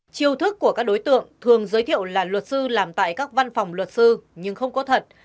chiêu thức của các đối tượng thường giới thiệu là luật sư làm tại các văn phòng luật sư nhưng không có thật